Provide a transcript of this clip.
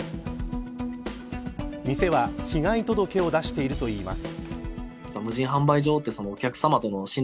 店は被害届を出しているといいます。